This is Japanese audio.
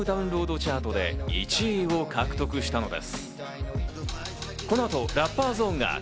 チャートで１位を獲得したのです。